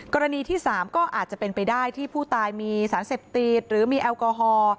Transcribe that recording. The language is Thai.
กรณีที่๓ก็อาจจะเป็นไปได้ที่ผู้ตายมีสารเสพติดหรือมีแอลกอฮอล์